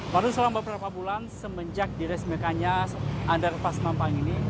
baru selama beberapa bulan semenjak diresmikannya underpass mampang ini